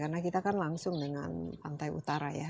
karena kita kan langsung dengan pantai utara ya